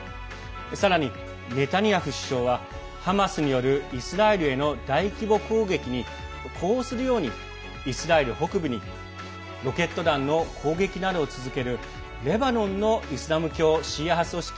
さらにネタニヤフ首相はハマスによるイスラエルへの大規模攻撃に呼応するようにイスラエル北部にロケット弾の攻撃などを続けるレバノンのイスラム教シーア派組織